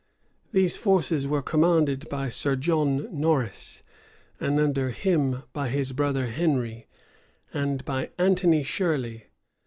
[*] These forces were commanded by Sir John Norris, and under him by his brother Henry, and by Anthony Shirley.